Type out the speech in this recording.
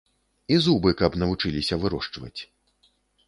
І зубы каб навучыліся вырошчваць.